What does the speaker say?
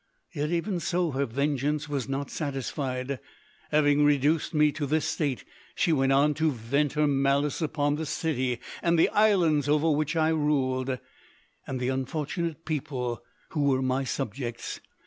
Yet even so her vengeance was not satisfied. Having reduced me to this state she went on to vent her malice upon the city and islands over which I ruled, and the unfortunate people who were my subjects.